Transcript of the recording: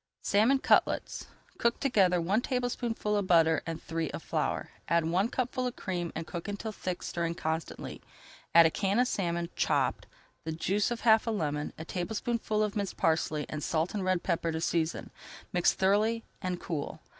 SALMON CUTLETS Cook together one tablespoonful of butter and three of flour. Add one cupful of cream and cook until thick, stirring constantly. Add a can of salmon, chopped, the juice of half a lemon, a tablespoonful of minced parsley, and salt and red pepper to season. Mix thoroughly, and cool.